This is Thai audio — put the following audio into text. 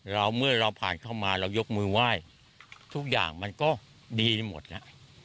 แล้วเมื่อเราผ่านเข้ามาเรายกมือไหว้ทุกอย่างมันก็ดีหมดอ่ะ